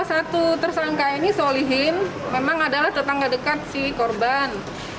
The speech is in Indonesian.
satu tersangka ini solihin memang adalah tetangga dekat si korban